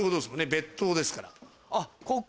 別棟ですから。